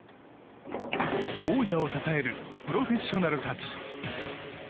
王者を支えるプロフェッショナルたち。